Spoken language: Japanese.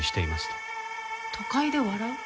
『都会で笑う』？